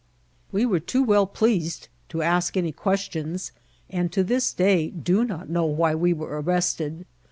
We were too well pleased to ask any questions, and to this day do not know why we were arrested.